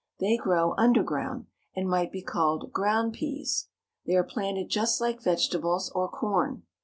They grow underground, and might be called ground pease. They are planted just like vegetables or corn.